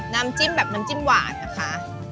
น้ำจิ้มแบบน้ำจิ้มหวานนะคะ